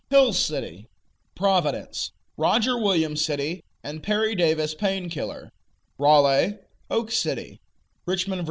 Hill City; Providence, Roger Williams' City, and Perry Davis' Pain Killer; Raleigh, Oak City; Richmond, (Va.)